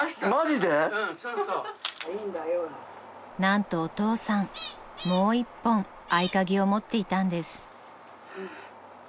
［何とお父さんもう１本合鍵を持っていたんです］